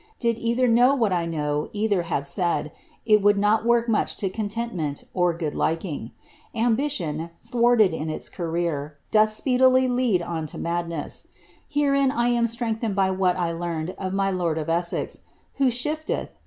Did either know what I know eidjer have said, it would not work much lo conientmenl or good liking, km biiion, thwarted in iis career, doth speedily lead on lo madness ; herein I am strengthened by what I learn of my lord of Essex, who sliifieth.